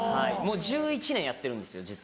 もう１１年やってるんですよ